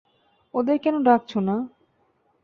ওদের কেনো ডাকছো না?